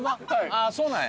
ああそうなんや。